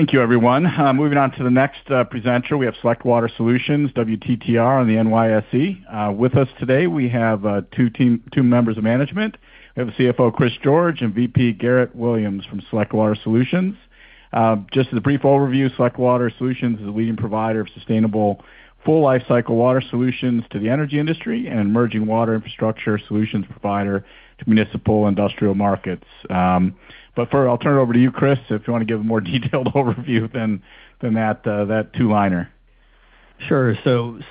Thank you everyone. Moving on to the next presenter, we have Select Water Solutions, WTR on the NYSE. With us today, we have two members of management. We have the CFO, Chris George, and VP, Garrett Williams from Select Water Solutions. Just as a brief overview, Select Water Solutions is a leading provider of sustainable full lifecycle water solutions to the energy industry and emerging water infrastructure solutions provider to municipal industrial markets. I'll turn it over to you, Chris, if you want to give a more detailed overview than that two-liner. Sure.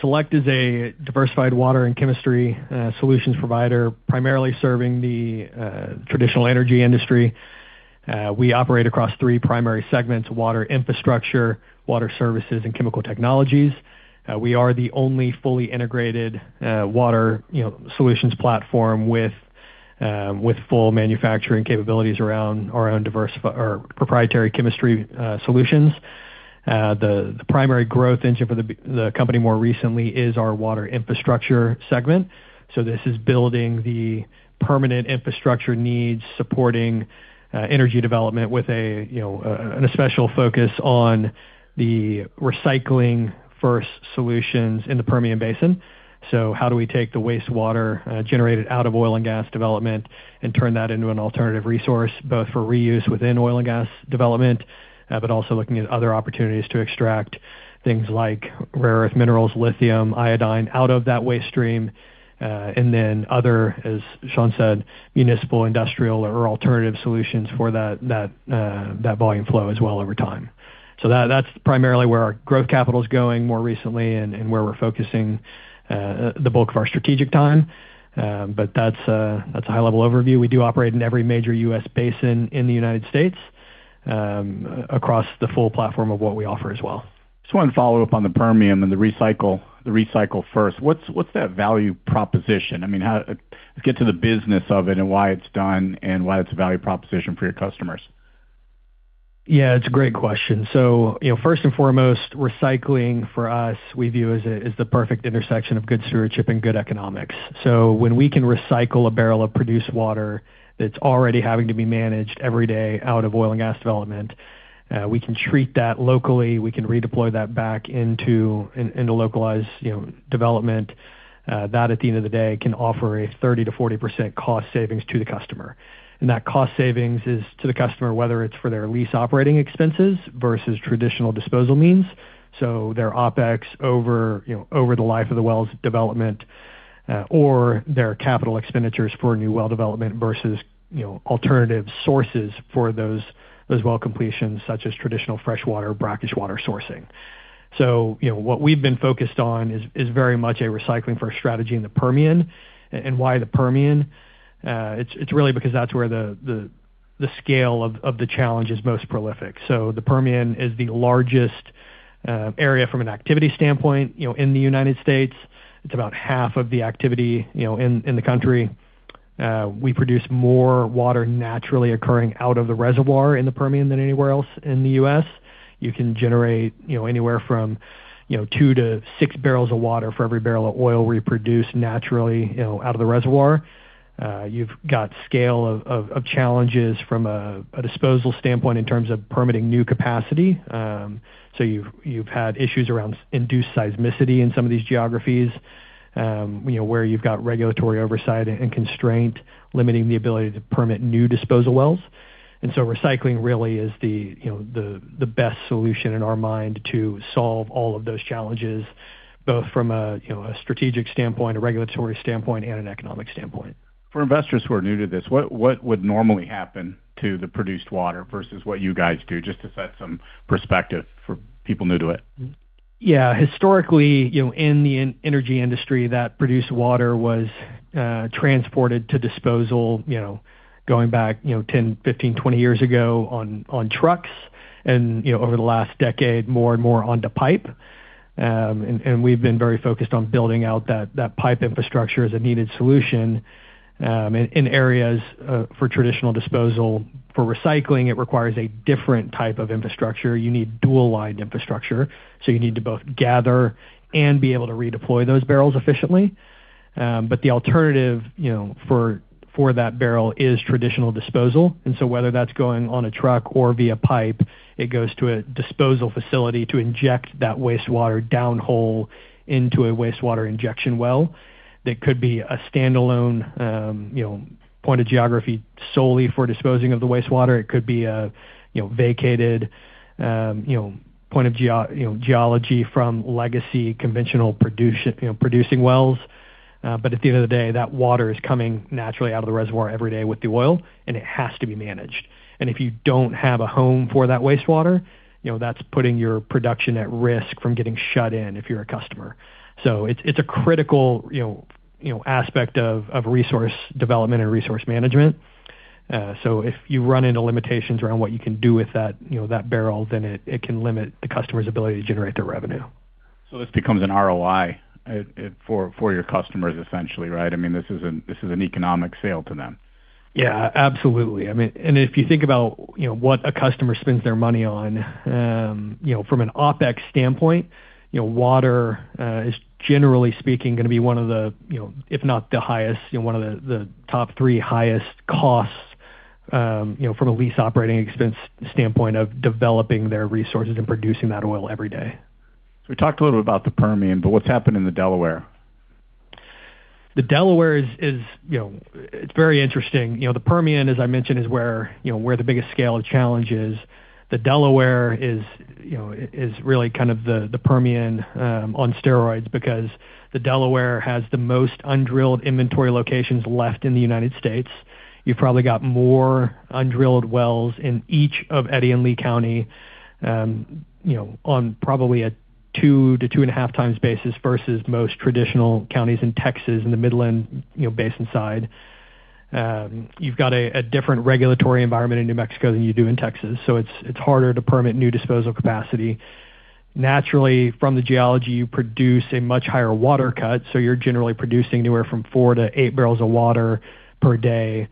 Select is a diversified water and chemistry solutions provider, primarily serving the traditional energy industry. We operate across three primary segments: Water Infrastructure, Water Services, and Chemical Technologies. We are the only fully integrated water solutions platform with full manufacturing capabilities around our own proprietary chemistry solutions. The primary growth engine for the company more recently is our Water Infrastructure segment. This is building the permanent infrastructure needs, supporting energy development with an especial focus on the recycling first solutions in the Permian Basin. How do we take the wastewater generated out of oil and gas development and turn that into an alternative resource, both for reuse within oil and gas development, but also looking at other opportunities to extract things like rare earth minerals, lithium, iodine, out of that waste stream. Other, as Shawn said, municipal, industrial, or alternative solutions for that volume flow as well over time. That's primarily where our growth capital's going more recently and where we're focusing the bulk of our strategic time. That's a high-level overview. We do operate in every major U.S. basin in the United States, across the full platform of what we offer as well. Just one follow-up on the Permian and the recycle first. What's that value proposition? I mean, let's get to the business of it and why it's done and why it's a value proposition for your customers. It's a great question. First and foremost, recycling for us, we view as the perfect intersection of good stewardship and good economics. When we can recycle a barrel of produced water that's already having to be managed every day out of oil and gas development, we can treat that locally, we can redeploy that back into localized development. That, at the end of the day, can offer a 30%-40% cost savings to the customer. That cost savings is to the customer, whether it's for their lease operating expenses versus traditional disposal means, so their OpEx over the life of the well's development, or their capital expenditures for new well development versus alternative sources for those well completions, such as traditional freshwater, brackish water sourcing. What we've been focused on is very much a recycling first strategy in the Permian. Why the Permian? It's really because that's where the scale of the challenge is most prolific. The Permian is the largest area from an activity standpoint in the U.S. It's about half of the activity in the country. We produce more water naturally occurring out of the reservoir in the Permian than anywhere else in the U.S. You can generate anywhere from two to six barrels of water for every barrel of oil we produce naturally out of the reservoir. You've got scale of challenges from a disposal standpoint in terms of permitting new capacity. You've had issues around induced seismicity in some of these geographies, where you've got regulatory oversight and constraint limiting the ability to permit new disposal wells. Recycling really is the best solution in our mind to solve all of those challenges, both from a strategic standpoint, a regulatory standpoint, and an economic standpoint. For investors who are new to this, what would normally happen to the produced water versus what you guys do, just to set some perspective for people new to it? Historically, in the energy industry, that produced water was transported to disposal, going back 10, 15, 20 years ago, on trucks. Over the last decade, more and more onto pipe. We've been very focused on building out that pipe infrastructure as a needed solution in areas for traditional disposal. For recycling, it requires a different type of infrastructure. You need dual-lined infrastructure, so you need to both gather and be able to redeploy those barrels efficiently. The alternative for that barrel is traditional disposal. Whether that's going on a truck or via pipe, it goes to a disposal facility to inject that wastewater downhole into a wastewater injection well that could be a standalone point of geography solely for disposing of the wastewater. It could be a vacated point of geology from legacy conventional producing wells. At the end of the day, that water is coming naturally out of the reservoir every day with the oil, and it has to be managed. If you don't have a home for that wastewater, that's putting your production at risk from getting shut in if you're a customer. It's a critical aspect of resource development and resource management. If you run into limitations around what you can do with that barrel, then it can limit the customer's ability to generate their revenue. This becomes an ROI for your customers, essentially, right? I mean, this is an economic sale to them. Yeah, absolutely. If you think about what a customer spends their money on from an OpEx standpoint, water is generally speaking gonna be one of the, if not the highest, one of the top three highest costs from a lease operating expense standpoint of developing their resources and producing that oil every day. We talked a little bit about the Permian, but what's happened in the Delaware? The Delaware. It's very interesting. The Permian, as I mentioned, is where the biggest scale of challenge is. The Delaware is really kind of the Permian on steroids because the Delaware has the most undrilled inventory locations left in the U.S. You've probably got more undrilled wells in each of Eddy and Lea County on probably a two to two and a half times basis versus most traditional counties in Texas, in the Midland Basin side. You've got a different regulatory environment in New Mexico than you do in Texas. It's harder to permit new disposal capacity. Naturally, from the geology, you produce a much higher water cut. You're generally producing anywhere from 4 bbl to 8 bbl of water per day,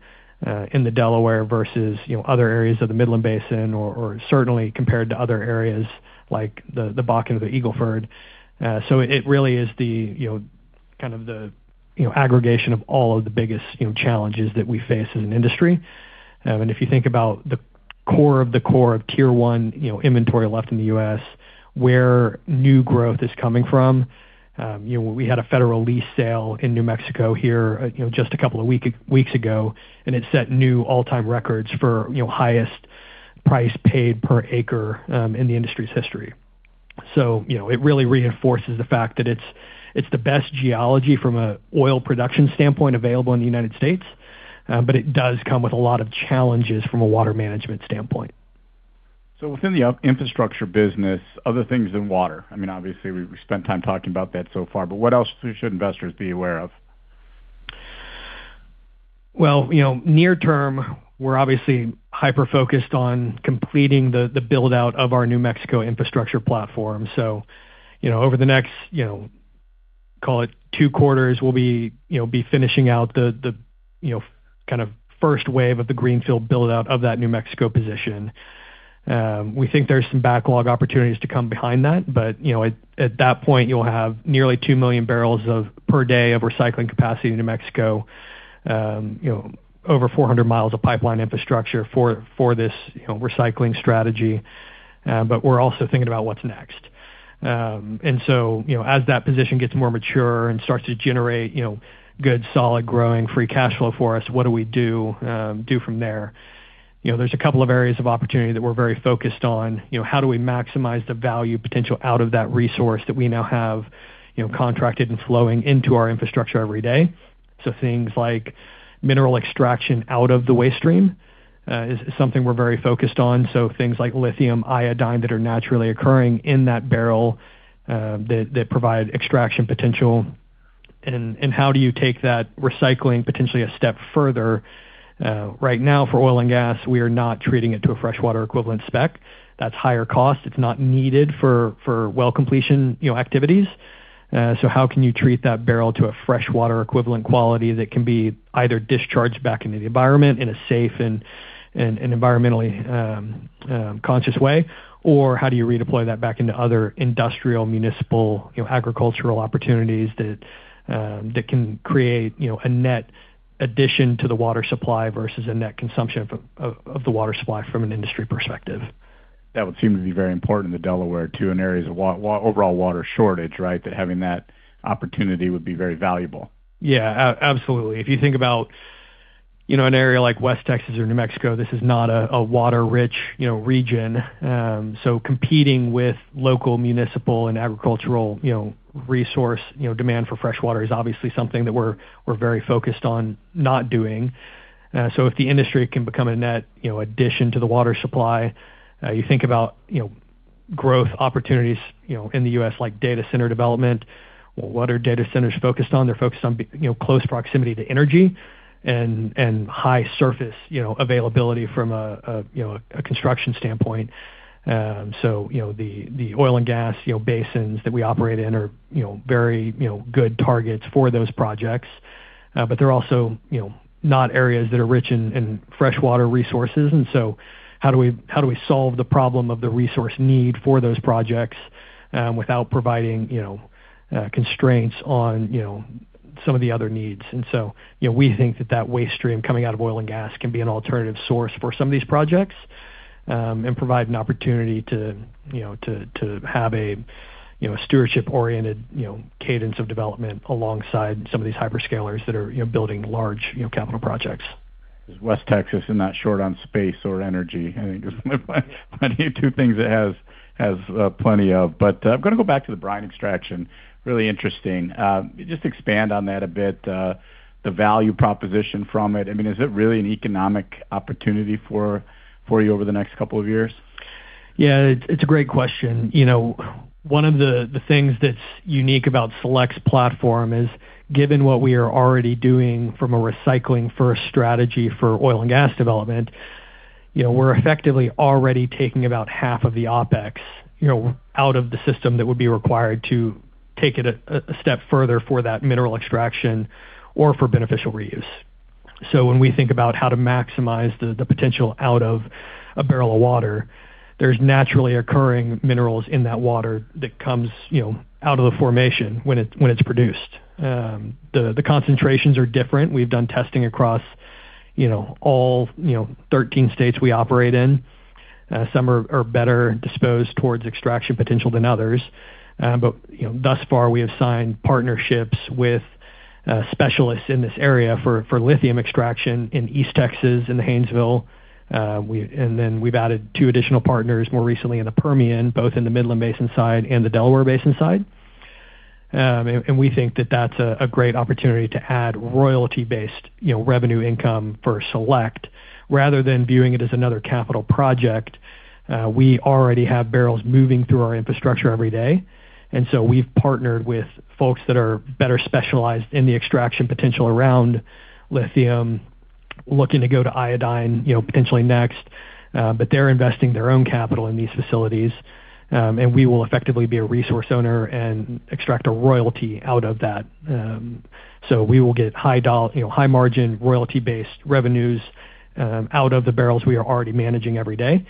in the Delaware versus other areas of the Midland Basin or certainly compared to other areas like the Bakken or the Eagle Ford. It really is the aggregation of all of the biggest challenges that we face as an industry. If you think about the core of the core of tier one inventory left in the U.S., where new growth is coming from. We had a federal lease sale in New Mexico here just a couple of weeks ago, and it set new all-time records for highest price paid per acre in the industry's history. It really reinforces the fact that it's the best geology from an oil production standpoint available in the U.S., but it does come with a lot of challenges from a water management standpoint. Within the Water Infrastructure business, other things than water, obviously we've spent time talking about that so far. What else should investors be aware of? Near term, we're obviously hyper-focused on completing the build-out of our New Mexico infrastructure platform. Over the next call it two quarters, we'll be finishing out the first wave of the greenfield build-out of that New Mexico position. We think there's some backlog opportunities to come behind that, but at that point, you'll have nearly 2 million barrels per day of water recycling capacity in New Mexico, over 400 mi of pipeline infrastructure for this recycling strategy. We're also thinking about what's next. As that position gets more mature and starts to generate good, solid, growing free cash flow for us, what do we do from there? There's a couple of areas of opportunity that we're very focused on. How do we maximize the value potential out of that resource that we now have contracted and flowing into our infrastructure every day? Things like mineral extraction out of the waste stream is something we're very focused on. Things like lithium, iodine that are naturally occurring in that barrel that provide extraction potential. How do you take that recycling potentially a step further? Right now for oil and gas, we are not treating it to a freshwater equivalent spec. That's higher cost. It's not needed for well completion activities. How can you treat that barrel to a freshwater equivalent quality that can be either discharged back into the environment in a safe and an environmentally conscious way or how do you redeploy that back into other industrial, municipal, agricultural opportunities that can create a net addition to the water supply versus a net consumption of the water supply from an industry perspective? That would seem to be very important in the Delaware, too, in areas of overall water shortage, right? Having that opportunity would be very valuable. Yeah, absolutely. If you think about an area like West Texas or New Mexico, this is not a a water rich region. Competing with local municipal and agricultural resource demand for freshwater is obviously something that we're very focused on not doing. If the industry can become a net addition to the water supply, you think about growth opportunities in the U.S. like data center development. Well, what are data centers focused on? They're focused on close proximity to energy and high surface availability from a construction standpoint. The oil and gas basins that we operate in are very good targets for those projects. They're also not areas that are rich in freshwater resources. How do we solve the problem of the resource need for those projects without providing constraints on some of the other needs? We think that that waste stream coming out of oil and gas can be an alternative source for some of these projects, and provide an opportunity to have a stewardship-oriented cadence of development alongside some of these hyperscalers that are building large capital projects. West Texas is not short on space or energy. I think there's plenty of two things it has plenty of. I'm going to go back to the brine extraction. Really interesting. Just expand on that a bit, the value proposition from it. Is it really an economic opportunity for you over the next couple of years? Yeah, it's a great question. One of the things that's unique about Select's platform is given what we are already doing from a recycling first strategy for oil and gas development, we're effectively already taking about half of the OpEx out of the system that would be required to take it a step further for that mineral extraction or for beneficial reuse. When we think about how to maximize the potential out of a barrel of water, there's naturally occurring minerals in that water that comes out of the formation when it's produced. The concentrations are different. We've done testing across all 13 states we operate in. Some are better disposed towards extraction potential than others. Thus far, we have signed partnerships with specialists in this area for lithium extraction in East Texas, in Haynesville. We've added two additional partners more recently in the Permian, both in the Midland Basin side and the Delaware Basin side. We think that that's a great opportunity to add royalty-based revenue income for Select rather than viewing it as another capital project. We already have barrels moving through our infrastructure every day, we've partnered with folks that are better specialized in the extraction potential around lithium, looking to go to iodine potentially next. They're investing their own capital in these facilities. We will effectively be a resource owner and extract a royalty out of that. We will get high margin, royalty-based revenues out of the barrels we are already managing every day.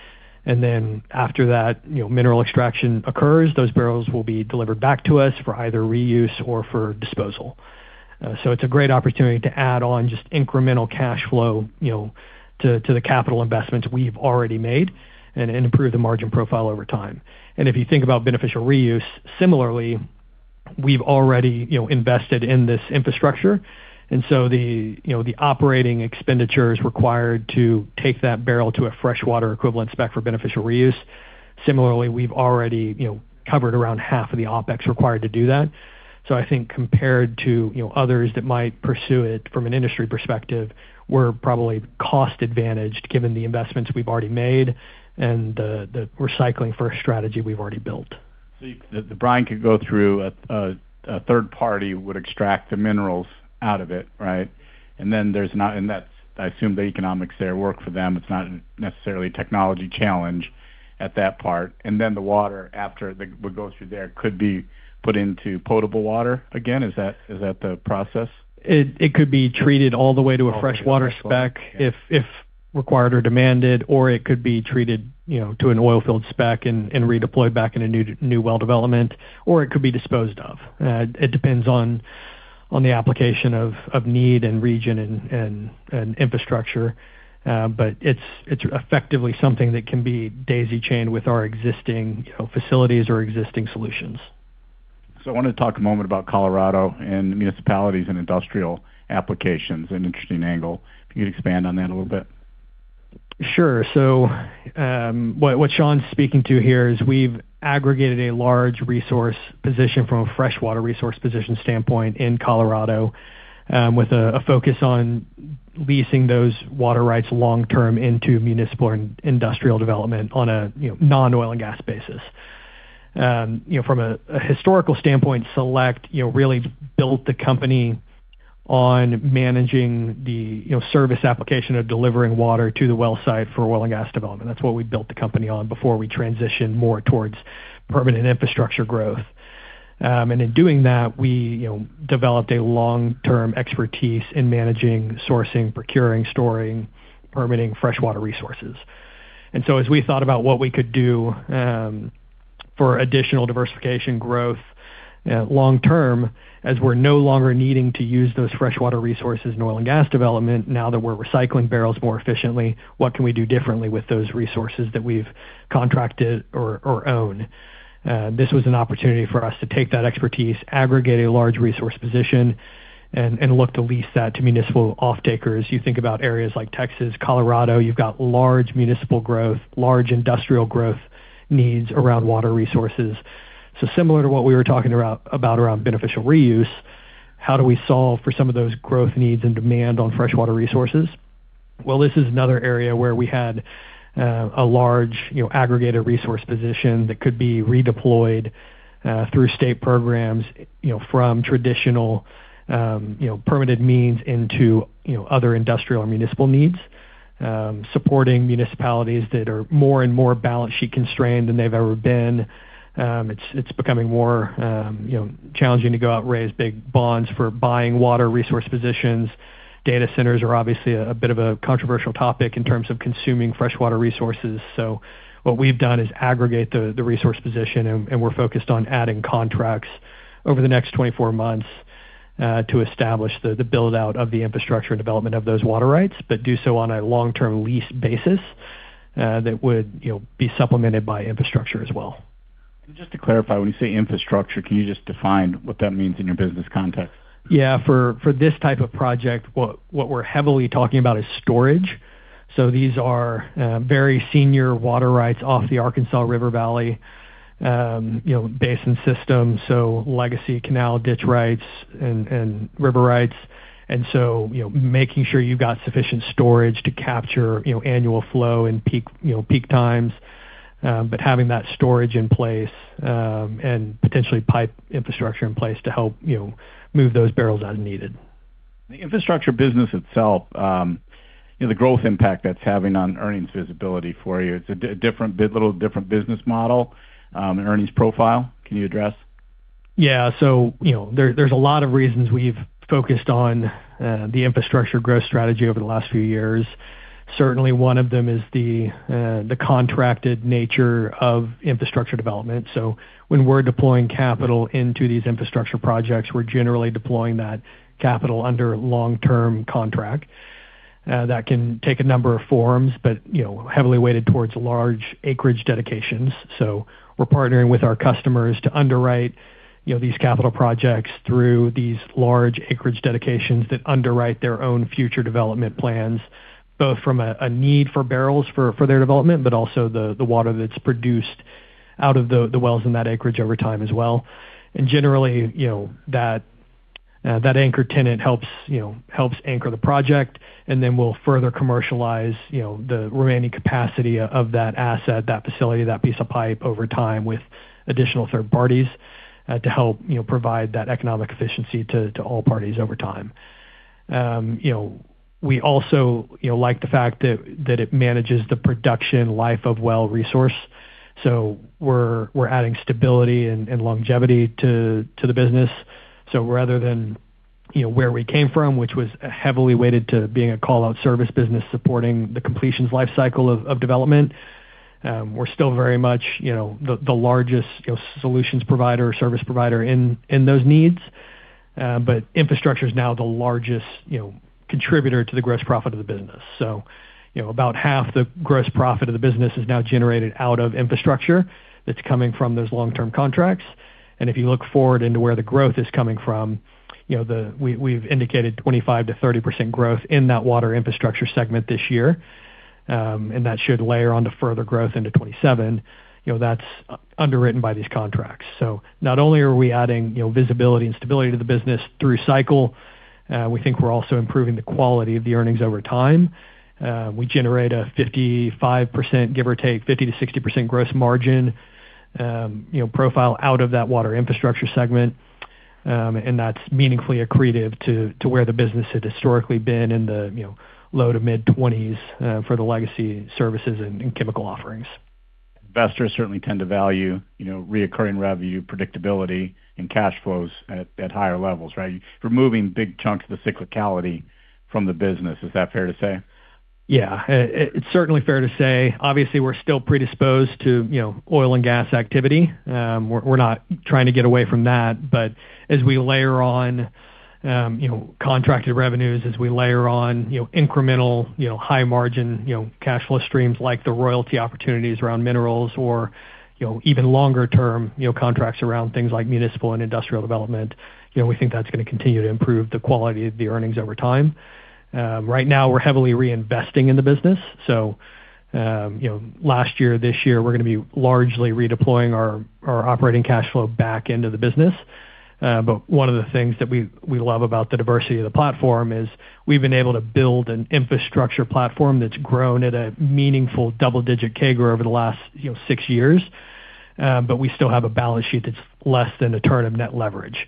After that mineral extraction occurs, those barrels will be delivered back to us for either reuse or for disposal. It's a great opportunity to add on just incremental cash flow to the capital investments we've already made and improve the margin profile over time. If you think about beneficial reuse, similarly, we've already invested in this infrastructure, the operating expenditure is required to take that barrel to a freshwater equivalent spec for beneficial reuse. Similarly, we've already covered around half of the OpEx required to do that. I think compared to others that might pursue it from an industry perspective, we're probably cost-advantaged given the investments we've already made and the recycling first strategy we've already built. The brine could go through, a third party would extract the minerals out of it, right? I assume the economics there work for them. It's not necessarily a technology challenge at that part. The water after what goes through there could be put into potable water again. Is that the process? It could be treated all the way to a freshwater spec if required or demanded, or it could be treated to an oil field spec and redeployed back in a new well development, or it could be disposed of. It depends on the application of need and region and infrastructure. It's effectively something that can be daisy chained with our existing facilities or existing solutions. I wanted to talk a moment about Colorado and municipalities and industrial applications. An interesting angle. Can you expand on that a little bit? Sure. What Shawn's speaking to here is we've aggregated a large resource position from a freshwater resource position standpoint in Colorado, with a focus on leasing those water rights long term into municipal and industrial development on a non-oil and gas basis. From a historical standpoint, Select really built the company on managing the service application of delivering water to the well site for oil and gas development. That's what we built the company on before we transitioned more towards permanent infrastructure growth. In doing that, we developed a long-term expertise in managing, sourcing, procuring, storing, permitting freshwater resources. As we thought about what we could do for additional diversification growth long term, as we're no longer needing to use those freshwater resources in oil and gas development, now that we're recycling barrels more efficiently, what can we do differently with those resources that we've contracted or own? This was an opportunity for us to take that expertise, aggregate a large resource position, and look to lease that to municipal off-takers. You think about areas like Texas, Colorado, you've got large municipal growth, large industrial growth needs around water resources. Similar to what we were talking about around beneficial reuse, how do we solve for some of those growth needs and demand on freshwater resources? This is another area where we had a large aggregated resource position that could be redeployed through state programs from traditional permitted means into other industrial or municipal needs, supporting municipalities that are more and more balance sheet constrained than they've ever been. It's becoming more challenging to go out and raise big bonds for buying water resource positions. Data centers are obviously a bit of a controversial topic in terms of consuming freshwater resources. What we've done is aggregate the resource position, and we're focused on adding contracts over the next 24 months to establish the build-out of the infrastructure and development of those water rights, but do so on a long-term lease basis that would be supplemented by infrastructure as well. Just to clarify, when you say infrastructure, can you just define what that means in your business context? Yeah. For this type of project, what we're heavily talking about is storage. These are very senior water rights off the Arkansas River Valley basin system, legacy canal ditch rights and river rights. Making sure you've got sufficient storage to capture annual flow in peak times, but having that storage in place, and potentially pipe infrastructure in place to help move those barrels as needed. The Water Infrastructure business itself, the growth impact that's having on earnings visibility for you, it's a little different business model and earnings profile. Can you address? Yeah. There's a lot of reasons we've focused on the Water Infrastructure growth strategy over the last few years. Certainly, one of them is the contracted nature of Water Infrastructure development. When we're deploying capital into these Water Infrastructure projects, we're generally deploying that capital under a long-term contract. That can take a number of forms, heavily weighted towards large acreage dedications. We're partnering with our customers to underwrite these capital projects through these large acreage dedications that underwrite their own future development plans, both from a need for barrels for their development, but also the water that's produced out of the wells in that acreage over time as well. Generally, that anchor tenant helps anchor the project, then we'll further commercialize the remaining capacity of that asset, that facility, that piece of pipe over time with additional third parties to help provide that economic efficiency to all parties over time. We also like the fact that it manages the production life of well resource, we're adding stability and longevity to the business. Rather than where we came from, which was heavily weighted to being a call-out Water Services business supporting the completions life cycle of development, we're still very much the largest solutions provider or service provider in those needs. Water Infrastructure's now the largest contributor to the gross profit of the business. About half the gross profit of the business is now generated out of Water Infrastructure that's coming from those long-term contracts. If you look forward into where the growth is coming from, we've indicated 25%-30% growth in that Water Infrastructure segment this year, that should layer onto further growth into 2027. That's underwritten by these contracts. Not only are we adding visibility and stability to the business through cycle, we think we're also improving the quality of the earnings over time. We generate a 55%, give or take, 50%-60% gross margin profile out of that Water Infrastructure segment. That's meaningfully accretive to where the business had historically been in the low to mid-20s for the legacy Water Services and Chemical Technologies offerings. Investors certainly tend to value recurring revenue predictability and cash flows at higher levels, right? Removing big chunks of the cyclicality from the business, is that fair to say? Yeah. It's certainly fair to say. Obviously, we're still predisposed to oil and gas activity. We're not trying to get away from that. As we layer on contracted revenues, as we layer on incremental high margin cash flow streams, like the royalty opportunities around minerals or even longer-term contracts around things like municipal and industrial development, we think that's going to continue to improve the quality of the earnings over time. Right now, we're heavily reinvesting in the business. Last year, this year, we're going to be largely redeploying our operating cash flow back into the business. One of the things that we love about the diversity of the platform is we've been able to build an infrastructure platform that's grown at a meaningful double-digit CAGR over the last six years. We still have a balance sheet that's less than a turn of net leverage.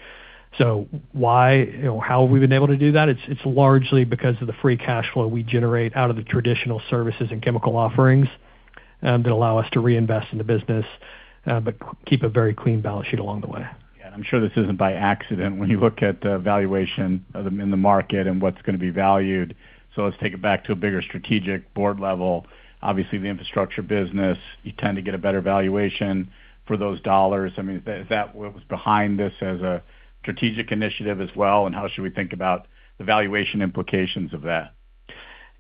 How have we been able to do that? It's largely because of the free cash flow we generate out of the traditional services and chemical offerings that allow us to reinvest in the business, keep a very clean balance sheet along the way. Yeah, I'm sure this isn't by accident when you look at the valuation in the market and what's going to be valued. Let's take it back to a bigger strategic board level. Obviously, the infrastructure business, you tend to get a better valuation for those dollars. Is that what was behind this as a strategic initiative as well, and how should we think about the valuation implications of that?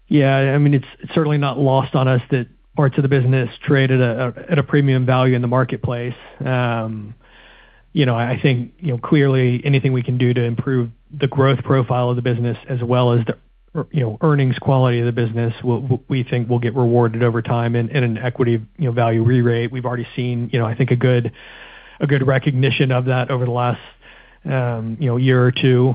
Yeah. It's certainly not lost on us that parts of the business trade at a premium value in the marketplace. I think, clearly anything we can do to improve the growth profile of the business as well as the earnings quality of the business, we think will get rewarded over time in an equity value re-rate. We've already seen a good recognition of that over the last year or two.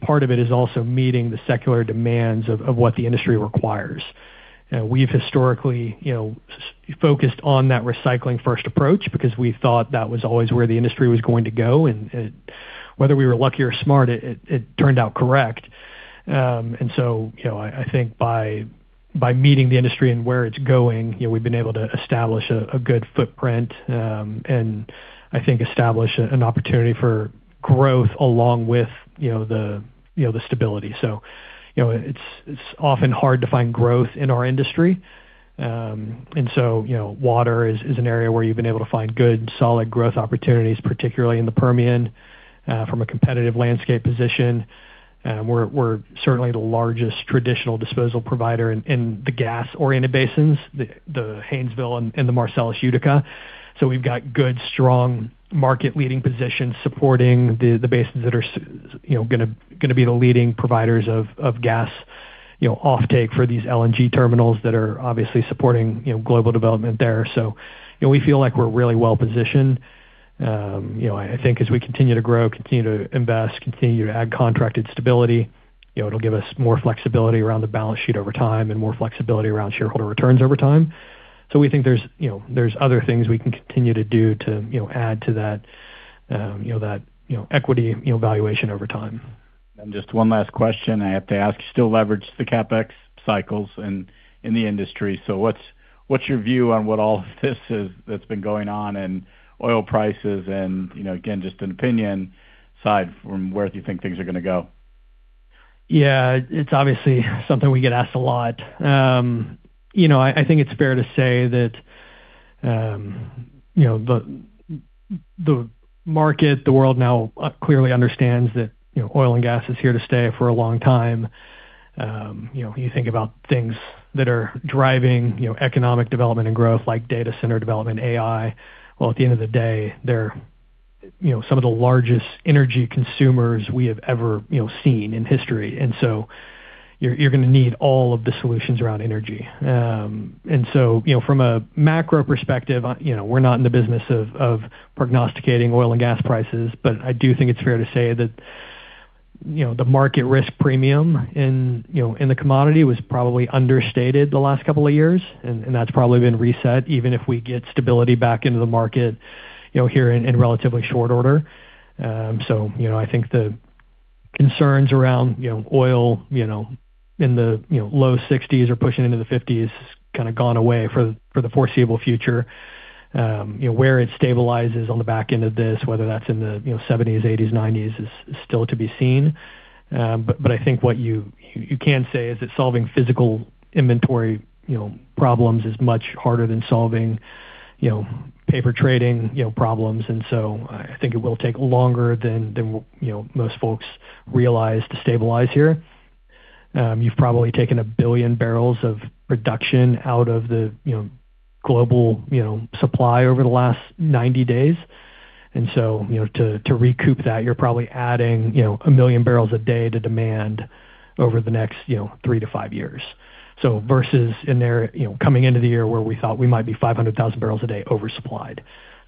Part of it is also meeting the secular demands of what the industry requires. We've historically focused on that recycling first approach because we thought that was always where the industry was going to go, and whether we were lucky or smart, it turned out correct. I think by meeting the industry and where it's going, we've been able to establish a good footprint, and I think establish an opportunity for growth along with the stability. It's often hard to find growth in our industry. Water is an area where you've been able to find good, solid growth opportunities, particularly in the Permian, from a competitive landscape position. We're certainly the largest traditional disposal provider in the gas-oriented basins, the Haynesville and the Marcellus Utica. We've got good, strong market-leading positions supporting the basins that are going to be the leading providers of gas offtake for these LNG terminals that are obviously supporting global development there. We feel like we're really well-positioned. I think as we continue to grow, continue to invest, continue to add contracted stability, it'll give us more flexibility around the balance sheet over time and more flexibility around shareholder returns over time. We think there's other things we can continue to do to add to that equity valuation over time. Just one last question I have to ask. You still leverage the CapEx cycles in the industry. What's your view on what all of this that's been going on and oil prices and, again, just an opinion side from where do you think things are going to go? Yeah. It's obviously something we get asked a lot. I think it's fair to say that the market, the world now clearly understands that oil and gas is here to stay for a long time. You think about things that are driving economic development and growth, like data center development, AI. Well, at the end of the day, they're some of the largest energy consumers we have ever seen in history. You're going to need all of the solutions around energy. From a macro perspective, we're not in the business of prognosticating oil and gas prices, but I do think it's fair to say that the market risk premium in the commodity was probably understated the last couple of years, and that's probably been reset even if we get stability back into the market here in relatively short order. I think the concerns around oil in the low 60s or pushing into the 50s has kind of gone away for the foreseeable future. Where it stabilizes on the back end of this, whether that's in the 70s, 80s, 90s, is still to be seen. I think what you can say is that solving physical inventory problems is much harder than solving paper trading problems. I think it will take longer than most folks realize to stabilize here. You've probably taken 1 billion barrels of production out of the global supply over the last 90 days. To recoup that, you're probably adding 1 million barrels a day to demand over the next three to five years. Versus coming into the year where we thought we might be 500,000 bpd oversupplied.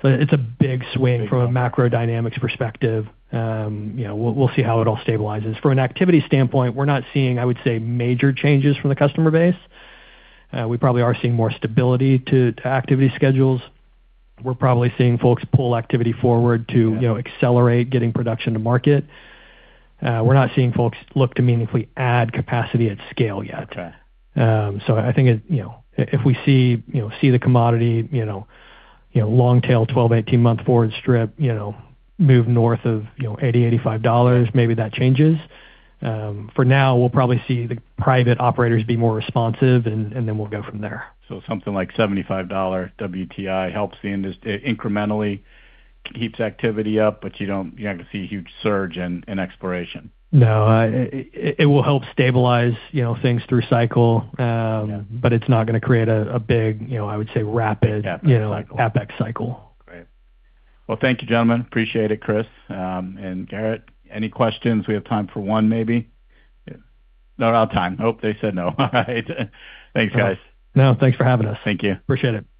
It's a big swing from a macro dynamics perspective. We'll see how it all stabilizes. For an activity standpoint, we're not seeing, I would say, major changes from the customer base. We probably are seeing more stability to activity schedules. We're probably seeing folks pull activity forward to accelerate getting production to market. We're not seeing folks look to meaningfully add capacity at scale yet. Okay. I think if we see the commodity long tail 12, 18 month forward strip move north of $80, $85, maybe that changes. For now, we'll probably see the private operators be more responsive, we'll go from there. Something like $75 WTI helps the industry incrementally, keeps activity up, but you're not going to see a huge surge in exploration. No. It will help stabilize things through cycle, but it's not going to create a big, I would say rapid CapEx cycle. Great. Well, thank you, gentlemen. Appreciate it, Chris and Garrett. Any questions? We have time for one, maybe. No, we're out of time. Oh, they said no. All right. Thanks, guys. No, thanks for having us. Thank you. Appreciate it.